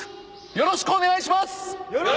よろしくお願いします！